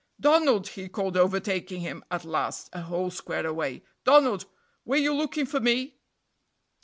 "Donald," he called, overtaking him at last, a whole square away "Donald, were you looking for me?"